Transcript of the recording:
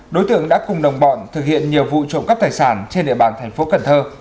đối tượng đã cùng đồng bọn thực hiện nhiều vụ trộm cắp tài sản trên địa bàn thành phố cần thơ